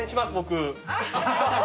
僕。